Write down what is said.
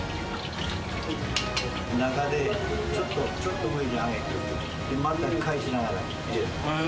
中で、ちょっと上に上げて、また返しながら入れる。